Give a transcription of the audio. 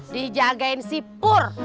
dijagain si purr